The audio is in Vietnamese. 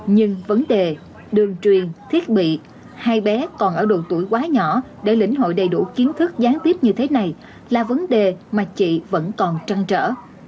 nhưng vấn đề đường truyền thiết bị hai bé còn ở độ tuổi quá nhỏ để lĩnh hội đầy đủ kiến thức gián tiếp như thế này là vấn đề mà chị vẫn còn trăng trở